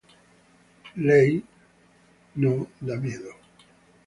Ley No Fear